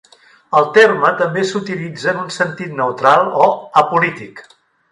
El terme també s'utilitza en un sentit neutral o apolític.